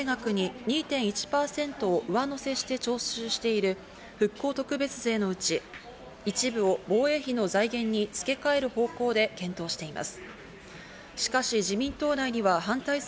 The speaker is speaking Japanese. また、所得税額に２．１％を上乗せして徴収している、復興特別税のうち一部を防衛費の財源に付け替える方向で検討しています。